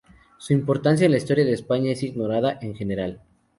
Su importancia en la historia de España es ignorada en general.